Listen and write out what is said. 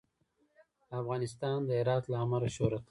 افغانستان د هرات له امله شهرت لري.